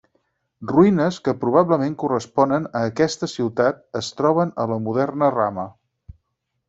Ruïnes que probablement corresponen a aquesta ciutat es troben a la moderna Rama.